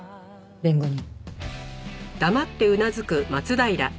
弁護人。